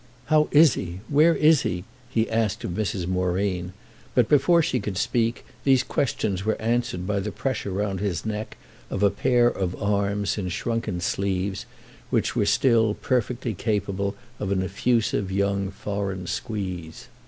"How is he? where is he?" he asked of Mrs. Moreen; but before she could speak these questions were answered by the pressure round hid neck of a pair of arms, in shrunken sleeves, which still were perfectly capable of an effusive young foreign squeeze.